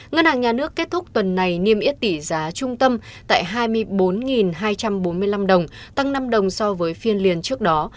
ngân hàng nhà nước kết thúc tuần này niêm yết tỷ giá trung tâm tại hai mươi bốn hai trăm bốn mươi năm đồng tăng năm đồng so với phiên liền trước đó